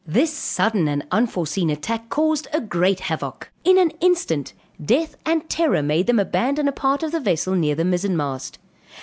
This sudden and unforeseen attack caused a great havoc. In an instant, death and terror made them abandon a part of the vessel near the mizen mast.